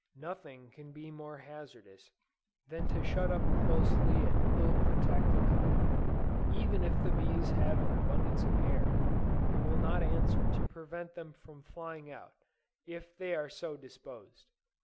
Nothing can be more hazardous than to shut up closely an ill protected hive. Even if the bees have an abundance of air, it will not answer to prevent them from flying out, if they are so disposed.